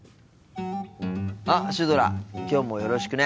あっシュドラきょうもよろしくね。